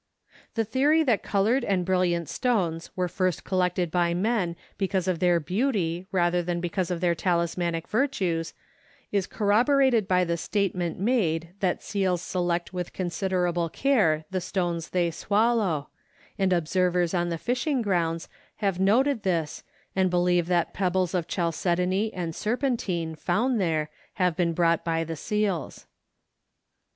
The theory that colored and brilliant stones were first collected by men because of their beauty rather than because of their talismanic virtues, is corroborated by the statement made that seals select with considerable care the stones they swallow, and observers on the fishing grounds have noted this and believe that pebbles of chalcedony and serpentine found there have been brought by the seals.